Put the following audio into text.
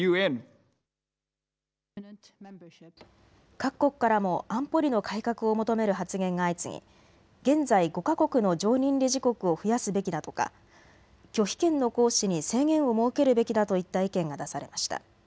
各国からも安保理の改革を求める発言が相次ぎ現在、５か国の常任理事国を増やすべきだとか拒否権の行使に制限を設けるべきだといった意見が出されました。